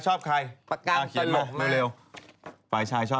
เถ้าตีฝ่ายชายซิ